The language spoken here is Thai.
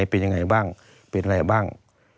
เป็นยังไงบ้างเป็นอะไรบ้าง